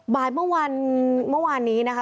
บ่ายเมื่อวานเมื่อวานนี้นะคะ